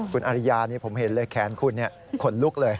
คุณอาริยาผมเห็นเลยแขนคุณขนลุกเลย